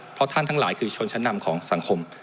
เพราะท่านทั้งหลายคือชนชั้นนำของสังคม